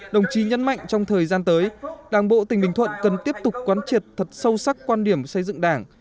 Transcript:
đồng chí nhấn mạnh trong thời gian tới đảng bộ tỉnh bình thuận cần tiếp tục quán triệt thật sâu sắc quan điểm xây dựng đảng